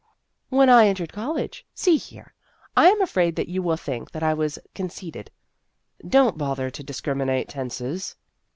When I entered college See here, I am afraid that you will think that I was conceited." " Don't bother to discriminate tenses."